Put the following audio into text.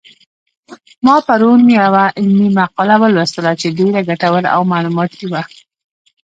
ما پرون یوه علمي مقاله ولوستله چې ډېره ګټوره او معلوماتي وه